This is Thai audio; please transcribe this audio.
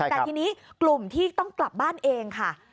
แต่ทีนี้กลุ่มที่ต้องกลับบ้านเองค่ะ